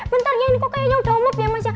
bentar ya ini kok kayaknya udah omep ya mas ya